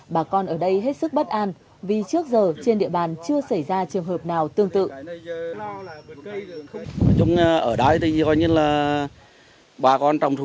bà con ở đây hết sức bất an vì trước giờ trên địa bàn chưa xảy ra trường hợp nào tương tự